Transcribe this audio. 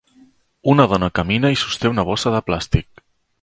Una dona camina i sosté una bossa de plàstic.